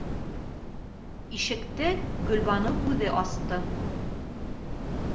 Ишекте Гөлбаныу үҙе асты.